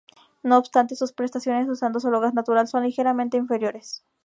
No obstante sus prestaciones usando solo gas natural son ligeramente inferiores.